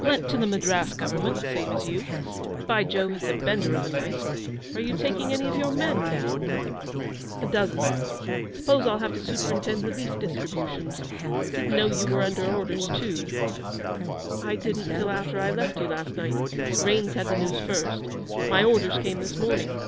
'Lent to the Madras Government, same as you. By Jove, it's a bender of a night! Are you taking any of your men down?' 'A dozen. Suppose I'll have to superintend relief distributions. Didn't know you were under orders too.' 'I didn't till after I left you last night. Raines had the news first. My orders came this morning.